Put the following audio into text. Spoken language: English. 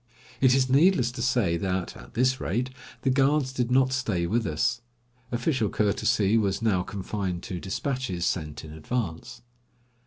It is needless to say that, at this rate, the guards did not stay with us. Official courtesy was now confined to despatches sent in advance.